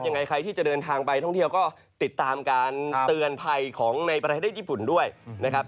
ยังไงใครที่จะเดินทางไปท่องเที่ยวก็ติดตามการเตือนภัยของในประเทศญี่ปุ่นด้วยนะครับ